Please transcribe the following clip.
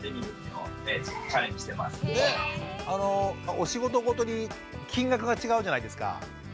お仕事ごとに金額が違うじゃないですか。